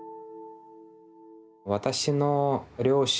私の両親